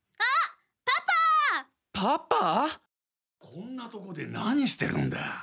こんなとこで何してるんだ。